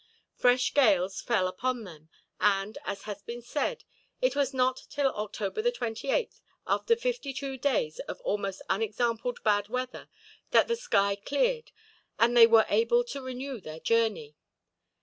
Fresh gales fell upon them and, as has been said, it was not till October the 28th, after fifty two days of almost unexampled bad weather, that the sky cleared, and they were able to renew their journey.